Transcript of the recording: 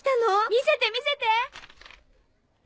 見せて見せて！